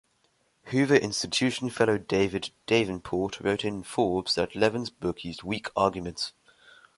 Hoover Institution fellow David Davenport wrote in "Forbes" that Levin's book used "weak arguments".